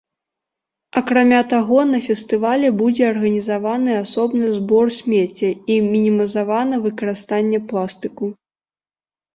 Акрамя таго, на фестывалі будзе арганізаваны асобны збор смецця і мінімізавана выкарыстанне пластыку.